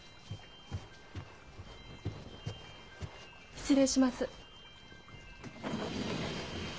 ・失礼します。